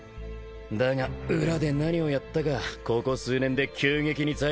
だが裏で何をやったかここ数年で急激に財力を強めてな。